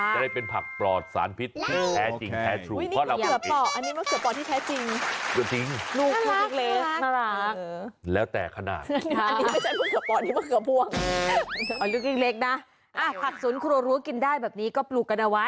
ได้เป็นผักปลอดสารพิษที่แท้จริงแท้ช่วย